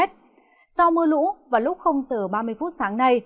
do mưa lũ vào lúc giờ ba mươi phút sáng nay